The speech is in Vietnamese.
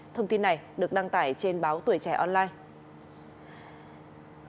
thông tin này được đăng tải trên báo tuổi trẻ online